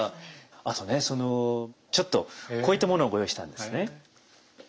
あとねそのちょっとこういったものをご用意したんですね。